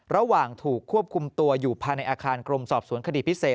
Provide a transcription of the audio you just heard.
ระหว่างถูกควบคุมตัวอยู่ภายในอาคารกรมสอบสวนคดีพิเศษ